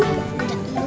jangan lupa makan